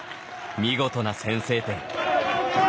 見事な先制点。